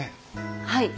はい